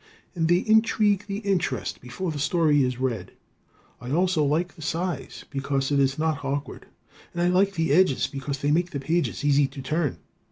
And they intrigue the interest before the story is read. I also like the size, because it is not awkward, and I like the edges because they make the pages easy to turn.